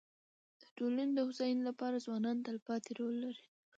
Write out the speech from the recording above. د ټولني د هوسايني لپاره ځوانان تلپاتي رول لري.